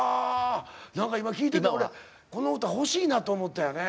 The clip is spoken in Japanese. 何か今聴いてたら俺この歌欲しいなと思ったよね。